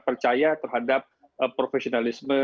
percaya terhadap profesionalisme